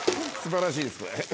素晴らしいですね。